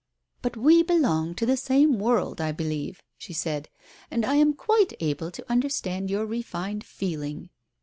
"But we belong to the same world, I perceive," she said, "and I am quite able to understand your refined feeling.